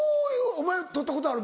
お前取ったことある？